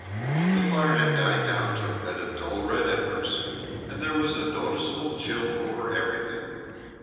The fire had died down to a bed of dull red embers, and there was a noticeable chill over everything.